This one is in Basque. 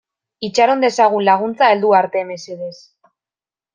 Itxaron dezagun laguntza heldu arte, mesedez.